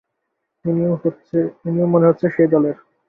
ইনিও মনে হচ্ছে সেই দলের।